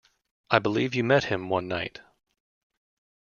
I believe you met him one night.